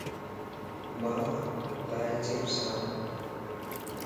مان لاچپس آڻ